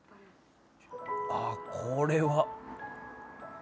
あこれは。